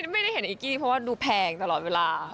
ไม่ได้เห็นอีกกี้เพราะว่าดูแพงตลอดเวลา